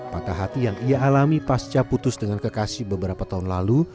patah hati yang ia alami pasca putus dengan kekasih beberapa tahun lalu